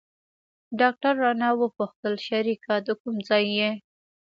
ډاکتر رانه وپوښتل شريکه د کوم ځاى يې.